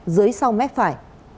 dưới sau mép phải